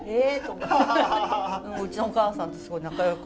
うちのお母さんとすごい仲よくなって。